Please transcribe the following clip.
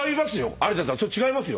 有田さんそれ違いますよ。